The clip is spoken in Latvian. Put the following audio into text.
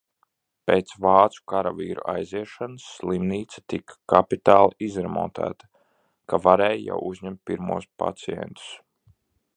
Pēc vācu karavīru aiziešanas, slimnīca tika kapitāli izremontēta, ka varēja jau uzņemt pirmos pacientus.